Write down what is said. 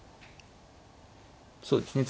そうですね